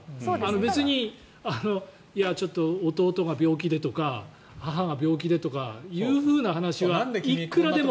別にちょっと弟が病気でとか母が病気でとかという話はいくらでも。